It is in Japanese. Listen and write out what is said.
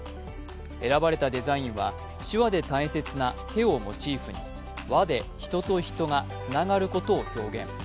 選ばれたデザインは手話で大切な手をモチーフに輪で人と人がつながることを表現。